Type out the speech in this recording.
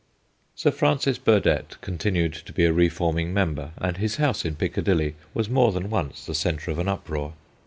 Sir Francis Burdett continued to be a reforming member, and his house in Picca dilly was more than once the centre of an uproar.